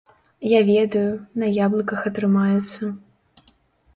Я ведаю, на яблыках атрымаецца.